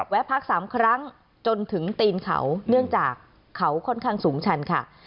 แวะพัก๓ครั้งจนถึงตีนเขาเนื่องจากเขาค่อนข้างสูงชันค่ะ